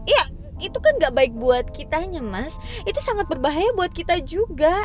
iya itu kan gak baik buat kitanya mas itu sangat berbahaya buat kita juga